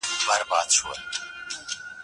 صنعت په چین کي انکشاف وکړ.